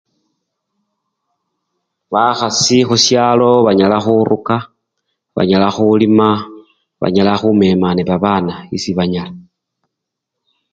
Bakhasi khushalo banyala khuruka, banyala khulima, banyala khumema nebabana esibanyala